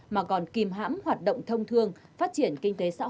mà còn kìm hãm hoạt động thông thương phát triển kinh tế xã hội trên địa bàn